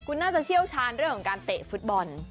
คุณน่าจะเชี่ยวชาญเรื่องของการเตะฟุตบอล